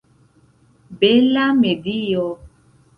Bela medio!